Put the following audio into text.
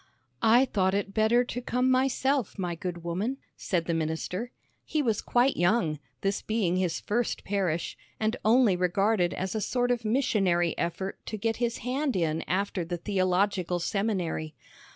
"I thought it better to come myself, my good woman," said the minister. He was quite young, this being his first parish, and only regarded as a sort of missionary effort to get his hand in after the theological seminary.